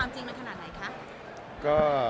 จริงมันขนาดไหนคะ